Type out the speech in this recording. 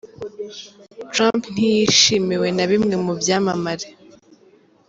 Trump ntiyishimiwe na bimwe mu byamamare.